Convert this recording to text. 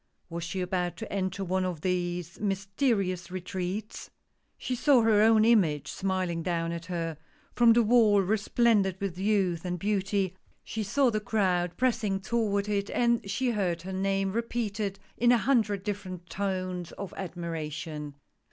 Was she about to enter one of these mysterious retreats I She saw her own image smiling down at her from the wall resplendent with youth and beauty ; she 8 130 THE PORTRAIT. saw the crowd pressing toward it and she heard her name repeated in a hundred different tones of admir ation.